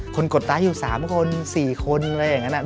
คนกดตายอยู่๓คน๔คนอะไรอย่างเงี้ย